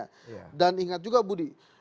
mungkin masyarakat juga budi